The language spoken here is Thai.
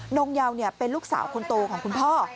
งเยาเป็นลูกสาวคนโตของคุณพ่อ